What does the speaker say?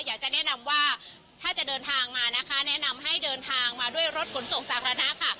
อยากจะแนะนำว่าถ้าจะเดินทางมานะคะแนะนำให้เดินทางมาด้วยรถขนส่งสาธารณะค่ะ